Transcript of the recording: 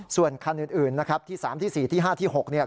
ส่วนคันอื่นนะครับที่๓ที่๔ที่๕ที่๖เนี่ย